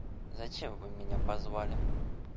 — Зачем вы меня позвали?